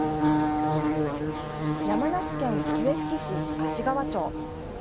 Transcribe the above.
山梨県笛吹市芦川町。